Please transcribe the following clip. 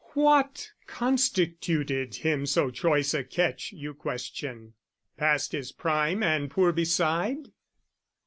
What constituted him so choice a catch, You question? Past his prime and poor beside?